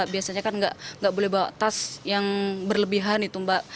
biasanya kan nggak boleh bawa tas yang berlebihan itu mbak